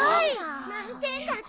満点だって。